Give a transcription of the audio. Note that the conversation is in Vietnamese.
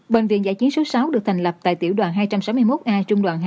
bệnh viện giải chiến số sáu được thành lập tại tiểu đoàn hai trăm sáu mươi một a trung đoàn hai